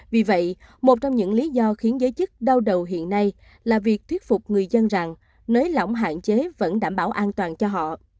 vì vậy một trong những lý do khiến giới chức đau đầu hiện nay là việc thuyết phục người dân rằng nới lỏng hạn chế vẫn đảm bảo an toàn cho họ